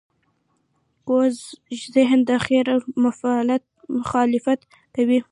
کوږ ذهن د خیر مخالفت کوي